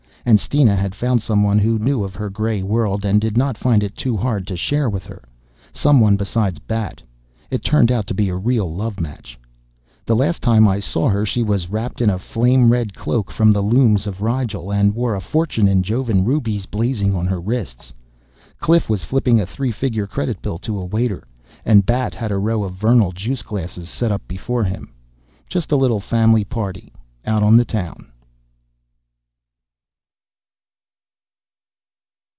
And Steena had found someone who knew of her gray world and did not find it too hard to share with her someone besides Bat. It turned out to be a real love match. The last time I saw her she was wrapped in a flame red cloak from the looms of Rigel and wore a fortune in Jovan rubies blazing on her wrists. Cliff was flipping a three figure credit bill to a waiter. And Bat had a row of Vernal juice glasses set up before him. Just a little family party out on the town.